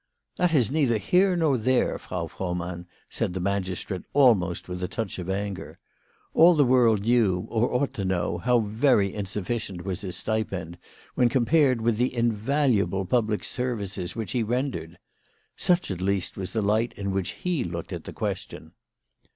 " That is neither here nor there, Frau Frohmann," said the magistrate, almost with a touch of anger. All the world knew, or ought to know, how very in sufficient was his stipend when compared with the invaluable public services which he rendered. Such at least was the light in which he looked at the question.